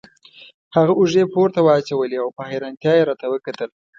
هغه اوږې پورته واچولې او په حیرانتیا یې راته وکتل.